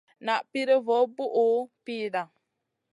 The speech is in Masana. Na piri vo vun bùhʼu pida.